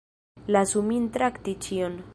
Lasu min trakti ĉion.